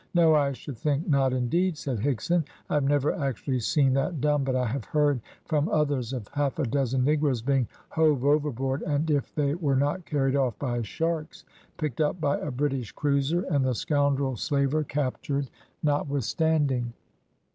"No, I should think not, indeed," said Higson. "I have never actually seen that done, but I have heard from others of half a dozen negroes being hove overboard, and if they were not carried off by sharks, picked up by a British cruiser, and the scoundrel slaver captured, notwithstanding."